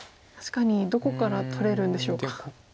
確かにどこから取れるんでしょうか。